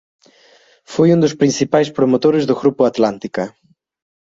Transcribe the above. Foi un dos principais promotores do Grupo Atlántica.